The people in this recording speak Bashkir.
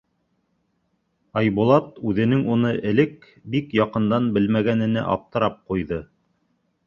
Айбулат үҙенең уны элек бик яҡындан белмәгәненә аптырап ҡуйҙы.